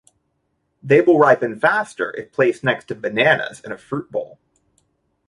They will ripen faster if placed next to bananas in a fruit bowl.